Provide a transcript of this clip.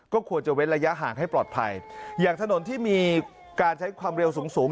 ก็ควรจะเว้นระยะห่างให้ปลอดภัยอย่างถนนที่มีการใช้ความเร็วสูงสูง